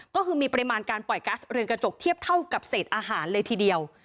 ก็คือมีปริมาณการปล่อยกัสเรืองกระจกเทียบเท่ากับเศษอาหารเลยทีเดียว